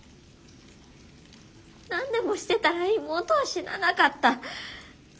何でもしてたら妹は死ななかった。